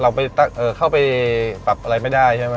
เราเข้าไปปรับอะไรไม่ได้ใช่ไหม